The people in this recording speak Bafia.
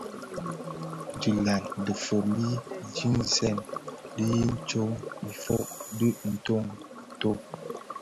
Dhilaň dhifombi dintsem di yin tsom ifog dhi ntonto.